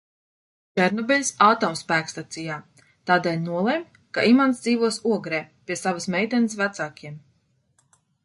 Černobiļas atomspēkstacijā, tādēļ nolemj, ka Imants dzīvos Ogrē pie savas meitenes vecākiem.